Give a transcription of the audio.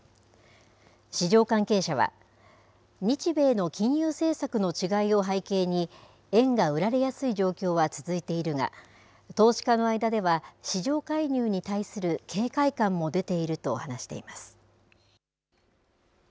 市場関係者は、日米の金融政策の違いを背景に、円が売られやすい状況は続いているが、投資家の間では、市場介入に対する警戒感も出ていると話しています。